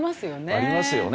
ありますよね。